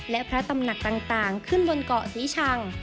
และพระตำหนักต่างขึ้นบนเกาะศรีชัง